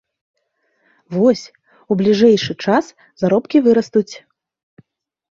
Вось, у бліжэйшы час заробкі вырастуць.